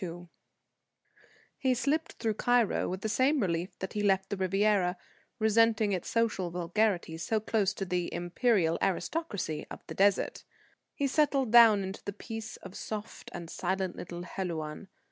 II He slipped through Cairo with the same relief that he left the Riviera, resenting its social vulgarity so close to the imperial aristocracy of the Desert; he settled down into the peace of soft and silent little Helouan.